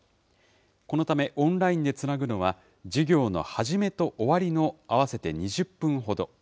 このためオンラインでつなぐのは、授業の初めと終わりの合わせて２０分ほど。